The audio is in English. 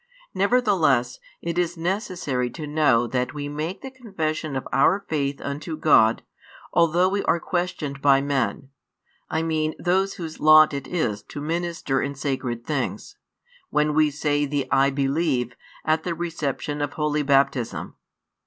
Nevertheless, it is necessary to know that we make the confession of our faith unto God, although we are questioned by men, I mean those whose lot it is to minister in sacred things, when we say the "I believe" at the reception of Holy Baptism.